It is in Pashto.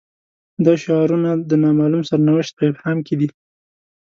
دا شعارونه د نا معلوم سرنوشت په ابهام کې دي.